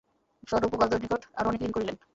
স্বরূপ ও গদাধরের নিকট আরো অনেক ঋণ করিলেন।